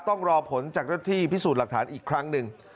ต้องรอผลจากหน้าที่พิสูจน์หลักฐานอีกครั้งหนึ่ง